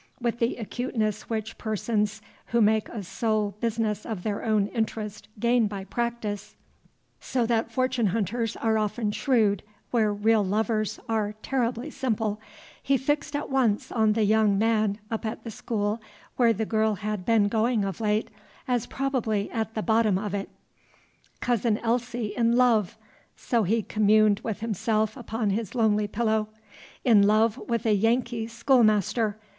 With the acuteness which persons who make a sole business of their own interest gain by practice, so that fortune hunters are often shrewd where real lovers are terribly simple, he fixed at once on the young man up at the school where the girl had been going of late, as probably at the bottom of it. "Cousin Elsie in love!" so he communed with himself upon his lonely pillow. "In love with a Yankee schoolmaster!